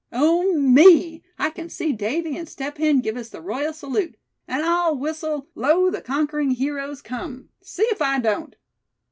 Oh! me, I can see Davy and Step Hen give us the royal salute. And I'll whistle 'Lo, the Conquering Heroes Come,' see if I don't."